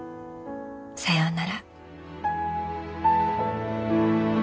さようなら。